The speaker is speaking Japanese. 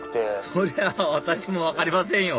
そりゃ私も分かりませんよ